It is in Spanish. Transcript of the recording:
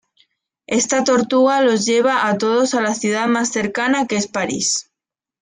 Esta tortuga los lleva a todos a la ciudad más cercana que es París.